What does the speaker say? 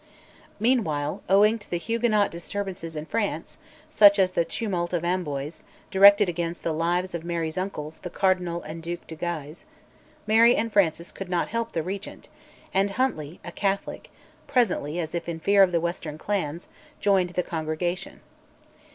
Meanwhile, owing to the Huguenot disturbances in France (such as the Tumult of Amboise, directed against the lives of Mary's uncles the Cardinal and Duc de Guise), Mary and Francis could not help the Regent, and Huntly, a Catholic, presently, as if in fear of the western clans, joined the Congregation.